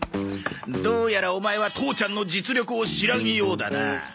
どうやらオマエは父ちゃんの実力を知らんようだな。